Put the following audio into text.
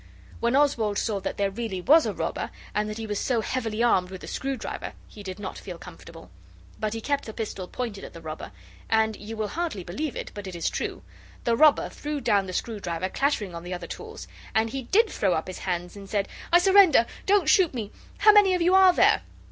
When Oswald saw that there really was a robber, and that he was so heavily armed with the screwdriver, he did not feel comfortable. But he kept the pistol pointed at the robber, and you will hardly believe it, but it is true the robber threw down the screwdriver clattering on the other tools, and he did throw up his hands, and said 'I surrender; don't shoot me! How many of you are there?